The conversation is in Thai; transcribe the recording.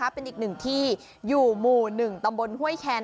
เป็นอีกหนึ่งที่อยู่หมู่๑ตำบลห้วยแคน